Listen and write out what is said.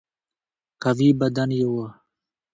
قوي بدن یې وو.